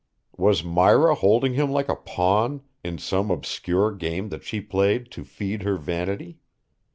Was Myra holding him like a pawn in some obscure game that she played to feed her vanity?